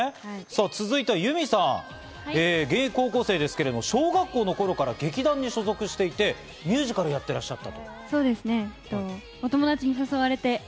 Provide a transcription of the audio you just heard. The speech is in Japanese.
続いて結海さん、現役高校生ですが、小学校の頃から劇団に所属していて、ミュージカルやっていらした？